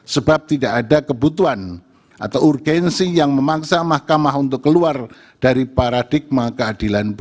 sebab tidak ada kebutuhan atau urgensi yang memaksa mahkamah untuk keluar dari paradigma keadilan